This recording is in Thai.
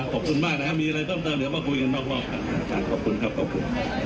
ขอบคุณมากนะครับมีอะไรเพิ่มเติมเดี๋ยวมาสิมีบ้างบอกให้